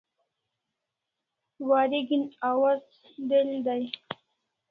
Wareg'in awaz del dai